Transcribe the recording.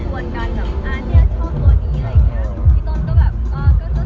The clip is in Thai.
เป้าหมายในการช้อปปิ้งต่างกันบ้าง